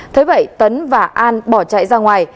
thế vậy tấn và an bỏ chạy ra ngoài